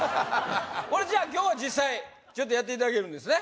これじゃあ今日は実際やっていただけるんですね？